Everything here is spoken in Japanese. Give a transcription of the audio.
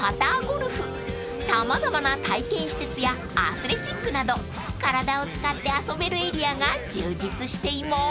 ゴルフ様々な体験施設やアスレチックなど体を使って遊べるエリアが充実しています］